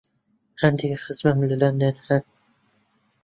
هەندێک خزمم لە لەندەن هەن.